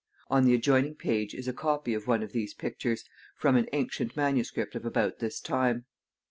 On the adjoining page is a copy of one of these pictures, from an ancient manuscript of about this time.